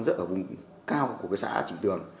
rất ở vùng cao của xã trịnh tường